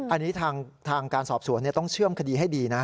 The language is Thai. อันนี้ทางการสอบสวนต้องเชื่อมคดีให้ดีนะ